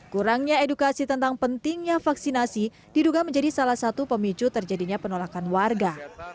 kurangnya edukasi tentang pentingnya vaksinasi diduga menjadi salah satu pemicu terjadinya penolakan warga